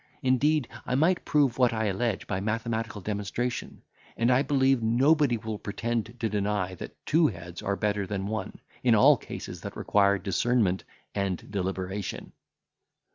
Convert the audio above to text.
Indeed, I might prove what I allege by mathematical demonstration; and I believe nobody will pretend to deny, that two heads are better than one, in all cases that require discernment and deliberation."